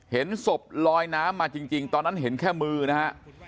เห็นศพลอยน้ำมาจริงตอนนั้นเห็นแค่มือนะฮะ